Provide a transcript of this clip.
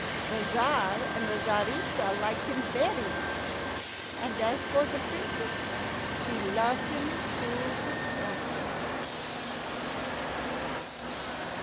The Tzar and the Tzaritza liked him very much, and as for the Princess, she loved him to distraction.